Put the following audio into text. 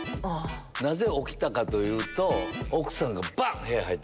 なぜ起きたかというと。